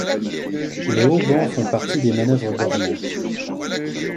Les haubans font partie des manœuvres dormantes.